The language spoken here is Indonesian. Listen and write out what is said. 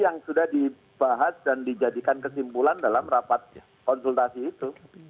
yang sudah dibahas dan dijadikan kesimpulan dalam rapat konsultasi itu